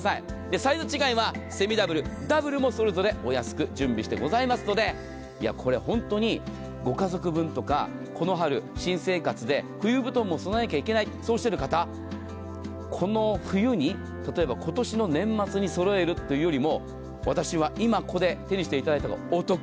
サイズ違いはセミダブル、ダブルもそれぞれお安く準備してございますのでこれ、本当にご家族分とかこの春、新生活で冬布団も備えなければいけないとおっしゃる方この冬に、例えば今年の年末に揃えるというよりも私は今ここで手にしていただいた方がお得。